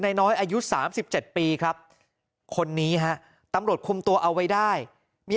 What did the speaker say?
น้อยอายุ๓๗ปีครับคนนี้ฮะตำรวจคุมตัวเอาไว้ได้มี